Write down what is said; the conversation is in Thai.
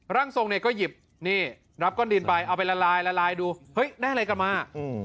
ร่างทรงเนี่ยก็หยิบนี่รับก้อนดินไปเอาไปละลายละลายดูเฮ้ยได้อะไรกลับมา